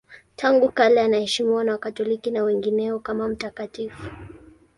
Tangu kale anaheshimiwa na Wakatoliki na wengineo kama mtakatifu.